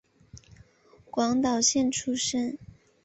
广岛县出身。